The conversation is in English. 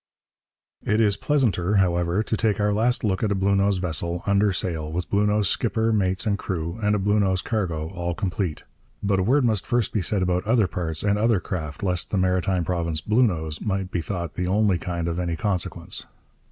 It is pleasanter, however, to take our last look at a Bluenose vessel, under sail, with Bluenose skipper, mates, and crew, and a Bluenose cargo, all complete. But a word must first be said about other parts and other craft, lest the Maritime Province Bluenose might be thought the only kind of any consequence.